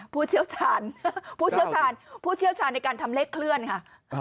ผู้เชี่ยวชาญผู้เชี่ยวชาญผู้เชี่ยวชาญในการทำเลขเคลื่อนค่ะ